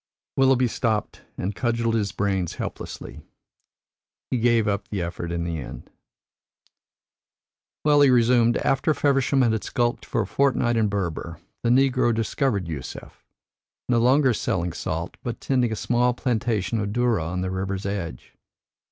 Willoughby stopped and cudgelled his brains helplessly. He gave up the effort in the end. "Well," he resumed, "after Feversham had skulked for a fortnight in Berber, the negro discovered Yusef, no longer selling salt, but tending a small plantation of dhurra on the river's edge.